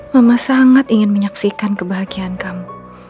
mama sangat ingin menyaksikan kebahagiaan kamu